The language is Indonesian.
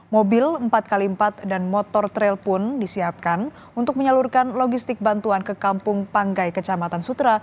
mobil empat x empat dan motor trail pun disiapkan untuk menyalurkan logistik bantuan ke kampung panggai kecamatan sutra